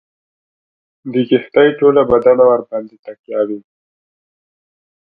د کښتۍ ټوله بدنه ورباندي تکیه وي.